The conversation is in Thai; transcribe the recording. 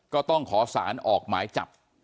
ก็ต้องขอสารออกหมายจับ